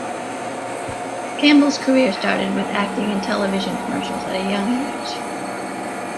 Campbell's career started with acting in television commercials at a young age.